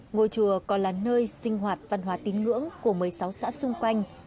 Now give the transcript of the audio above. ngôi chùa còn là nơi sinh hoạt văn hóa tín ngưỡng của một mươi sáu xã xung quanh